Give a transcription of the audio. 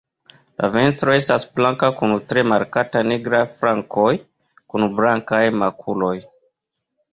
La ventro estas blanka kun tre markata nigraj flankoj kun blankaj makuloj.